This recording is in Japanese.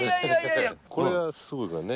これがすごいからね。